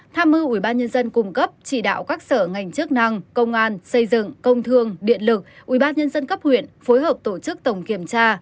tham mưu ubnd cung cấp chỉ đạo các sở ngành chức năng công an xây dựng công thương điện lực ubnd cấp huyện phối hợp tổ chức tổng kiểm tra